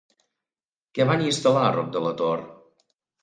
Què van instal·lar a Roc de la Tor?